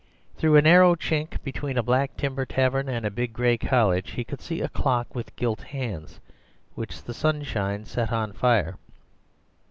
Through a narrow chink between a black timber tavern and a big gray college he could see a clock with gilt hands which the sunshine set on fire.